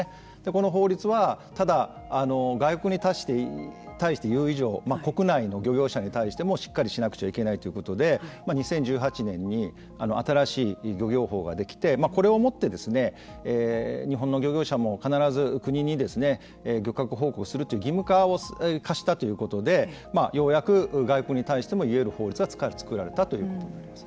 この法律はただ、外国に対して言う以上国内の漁業者に対してもしっかりしなくちゃいけないということで２０１８年に新しい漁業法ができてこれをもって日本の漁業者も必ず国に漁獲報告をするという義務化を科したということでようやく外国に対してもいえる法律が作られたということになります。